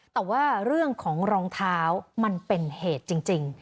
แต่ว่าเรื่องของรองเท้ามันเป็นเหตุจริง